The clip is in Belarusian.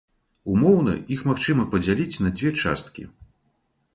Умоўна іх магчыма падзяліць на дзве часткі.